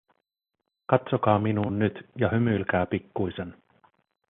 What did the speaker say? Katsokaa minuun nyt ja hymyilkää pikkuisen.